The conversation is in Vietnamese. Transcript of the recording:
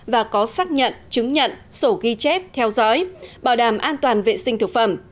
và có xác nhận chứng nhận sổ ghi chép theo dõi bảo đảm an toàn vệ sinh thực phẩm